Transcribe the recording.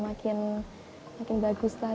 makin bagus lah